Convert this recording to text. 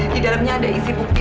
di dalamnya ada isi bukti